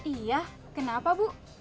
iya kenapa bu